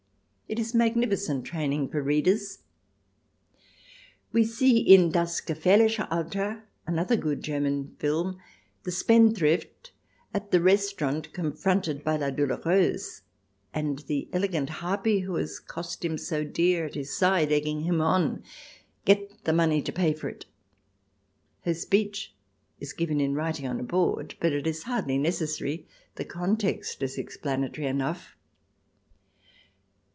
It is magnificent training for readers. We see in " Das Gefahrliche Alter," another good German film, the spendthrift at the restaurant confronted by la douloureuse, and the elegant harpy who has cost him so dear at his side egging him on :" Get the money to pay it !" Her speech is given in writing on a board, but it is CH. XX] TRIER 287 hardly necessary — the context is explanatory enough.